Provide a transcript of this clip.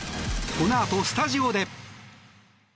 このあとスタジオで。